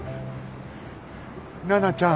奈々ちゃん。